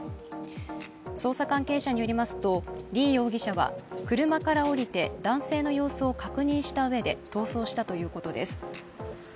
捜査関係者によりますと、李容疑者は車から降りて男性の様子を確認したうえで逃走したということです。